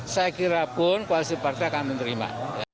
saya kira pun koalisi partai akan menerima